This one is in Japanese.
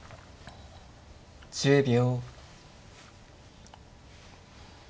１０秒。